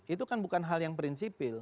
itu kan bukan hal yang prinsipil